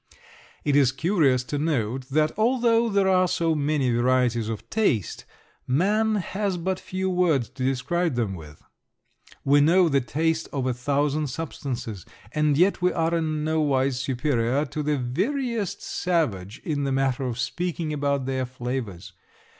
It is curious to note that, although there are so many varieties of taste, man has but few words to describe them with. We know the taste of a thousand substances, and yet we are in nowise superior to the veriest savage in the matter of speaking about their flavors.